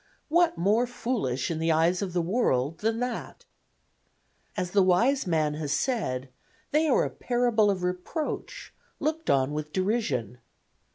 What more foolish in the eyes of the world than that! As the wise man has said, they are a parable of reproach, looked on with derision.